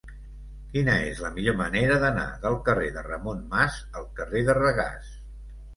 Quina és la millor manera d'anar del carrer de Ramon Mas al carrer de Regàs?